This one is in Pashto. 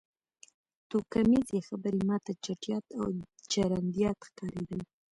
توکمیزې خبرې ما ته چټیات او چرندیات ښکارېدل